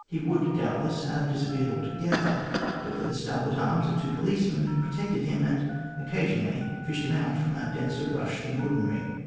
He would, doubtless, have disappeared altogether, but for the stalwart arms of two policemen, who protected him and occasionally fished him out from a denser rush than ordinary.